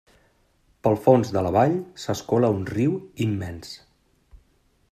Pel fons de la vall s'escola un riu immens.